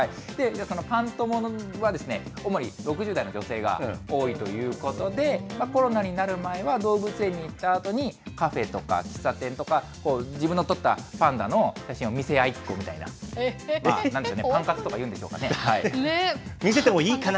そのパン友は、主に６０代の女性が多いということで、コロナになる前は、動物園に行ったあとにカフェとか喫茶店とか、自分の撮ったパンダの写真を見せ合いっこみたいな、なんでしょうね、見せてもいいかな？